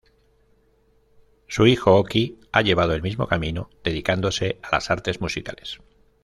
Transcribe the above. Su hijo Oki, ha llevado el mismo camino, dedicándose a las artes musicales.